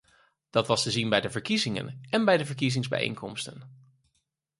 Dat was te zien bij de verkiezingen en bij verkiezingsbijeenkomsten.